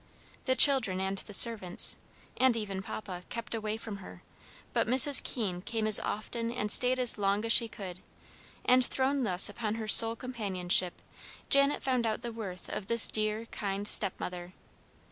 The children and the servants, and even Papa, kept away from her, but Mrs. Keene came as often and stayed as long as she could; and, thrown thus upon her sole companionship, Janet found out the worth of this dear, kind stepmother.